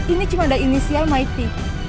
ini cuma ada inisial maiti